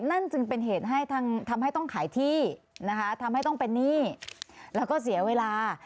นั่นจึงเป็นเหตุให้ทำให้ต้องขายที่นะคะทำให้ต้องเป็นหนี้แล้วก็เสียเวลา